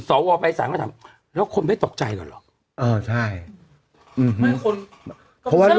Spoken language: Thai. สววไปสามก็ถามแล้วคนไม่ตกใจก่อนหรอกเออใช่ไม่คนเพราะว่า